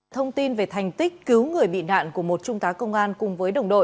thông tin về thành tích cứu người bị nạn của một trung tá công an cùng với đồng đội